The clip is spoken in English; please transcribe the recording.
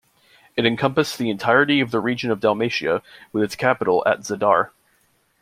It encompassed the entirety of the region of Dalmatia, with its capital at Zadar.